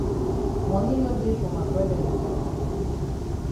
Moni no dey for ma broda yi kwa.